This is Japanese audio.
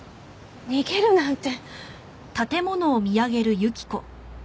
逃げるなんて。